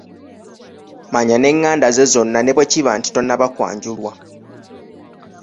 Manya n'enganda ze zonna ne bwe kiba nti tonnaba kwanjulwa.